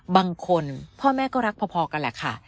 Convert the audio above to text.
บางคนพ่อแม่ก็รักพอกันแหละค่ะ